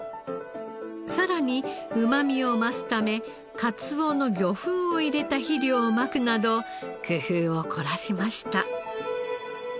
さらにうまみを増すためカツオの魚粉を入れた肥料をまくなど工夫を凝らしました。